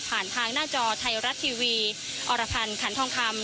ทางหน้าจอไทยรัฐทีวีอรพันธ์ขันทองคำ